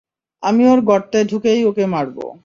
আমি ওর গর্তে ঢুকেই ওকে মারব।